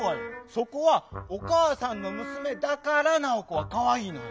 そこは「おかあさんのむすめだからナオコはかわいい」のよ。